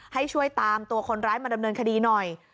ให้ช่วยตามตัวคนร้ายมาดำเนินคดีหน่อย